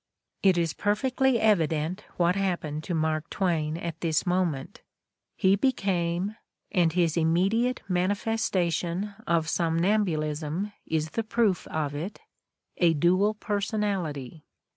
It is perfectly evident what happened to Mark Twain at this moment: he became, and his immediate manifestation of somnambulism is the proof of it, a dual personality.